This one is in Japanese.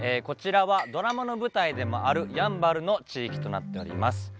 こちらはドラマの舞台でもあるやんばるの地域となっております。